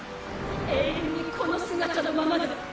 永遠にこの姿のままだ。